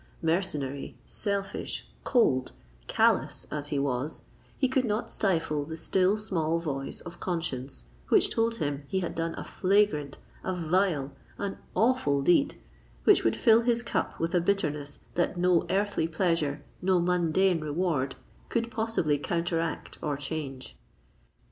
Mercenary—selfish—cold—callous as he was, he could not stifle the still small voice of conscience, which told him he had done a flagrant—a vile—an awful deed, which would fill his cup with a bitterness, that no earthly pleasure, no mundane reward, could possibly counteract or change.